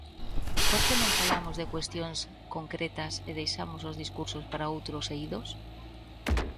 ¿Por que non falamos de cuestións concretas e deixamos os discursos para outros eidos?